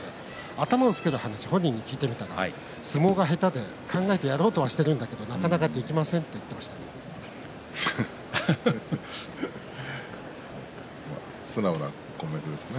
頭をつける話本人に聞いてみたら相撲が下手で考えてやろうとしているんだけどなかなかできません素直なコメントですね。